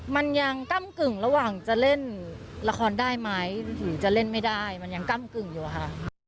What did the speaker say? มันยังก้ำกึ่งระหว่างจะเล่นละครได้ไหมหรือจะเล่นไม่ได้มันยังก้ำกึ่งอยู่อะค่ะ